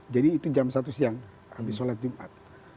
jadi itu jam satu siang habis sholat jumat